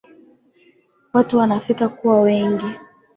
Watu wanafika kuwa wengi